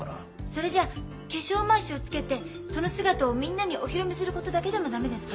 それじゃあ化粧まわしをつけてその姿をみんなにお披露目することだけでも駄目ですか？